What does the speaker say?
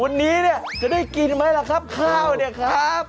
วันนี้เนี่ยจะได้กินไหมล่ะครับข้าวเนี่ยครับ